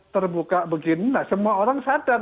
terbuka begini nah semua orang sadar